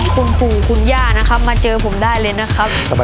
คุณปู่คุณย่านะครับมาเจอผมได้เลยนะครับ